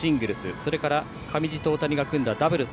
それから上地と大谷が組んだダブルス。